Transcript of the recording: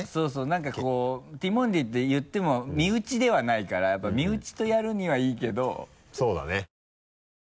何かこうティモンディって言っても身内ではないからやっぱ身内とやるにはいいけど。